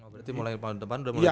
berarti mulai tahun depan sudah mulai